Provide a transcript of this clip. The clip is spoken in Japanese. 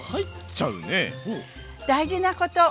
大事なこと。